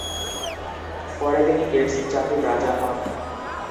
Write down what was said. পরে তিনি গেটস জাতির রাজা হন।